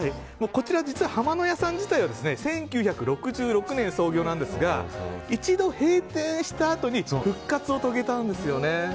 こちら、実ははまの屋さん自体は１９６６年創業なんですが一度閉店したあとに復活を遂げたんですよね。